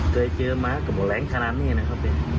เคยเจอม้ากับแหลงขนาดนี้นะครับ